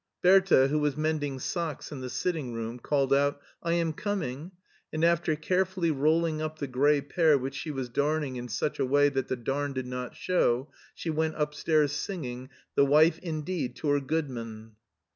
*' Bertha, who was mending socks in the sitting room, called out, " I am coming," and after carefully rolling up the gray pair which she was darning in such a way that the darn did not show, she went upstairs singing. it The wife indeed to her good man."